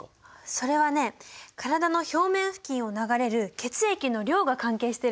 それはね体の表面付近を流れる血液の量が関係してるの。